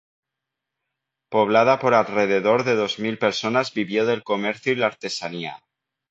Poblada por alrededor de dos mil personas, vivió del comercio y la artesanía.